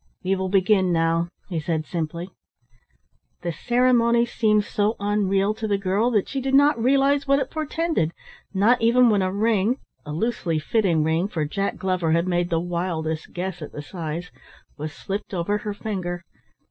"We will begin now," he said simply. The ceremony seemed so unreal to the girl that she did not realise what it portended, not even when a ring (a loosely fitting ring, for Jack Glover had made the wildest guess at the size) was slipped over her finger.